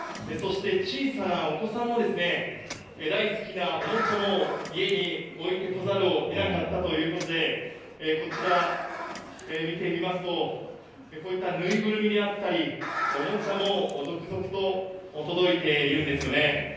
そして小さなお子さんも、大好きなおもちゃも家に置いてこざるをえなかったということで、こちら見てみますと、こういった縫いぐるみであったり、おもちゃも続々と届いているんですよね。